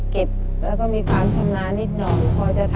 เก็บแล้วก็มีความชำนาญนิดหน่อย